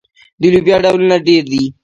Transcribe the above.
د لوبیا ډولونه ډیر دي.